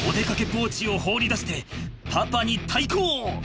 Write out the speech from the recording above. ポーチを放り出してパパに対抗！